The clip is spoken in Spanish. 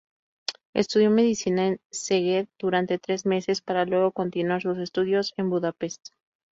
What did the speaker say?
Estudió medicina en Szeged durante tres meses para luego continuar sus estudios en Budapest.